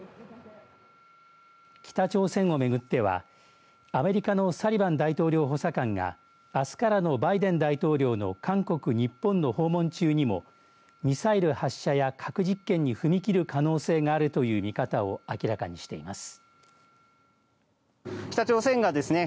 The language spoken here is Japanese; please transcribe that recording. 北朝鮮をめぐってはアメリカのサリバン大統領補佐官があすからのバイデン大統領の韓国、日本の訪問中にもミサイル発射や核実験に踏み切る可能性があるという見方を明らかにしています。